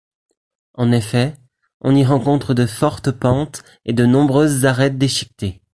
En effet, on y rencontre de fortes pentes et de nombreuses arêtes déchiquetées.